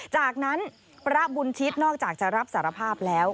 จากนั้นพระบุญชิตนอกจากจะรับสารภาพแล้ว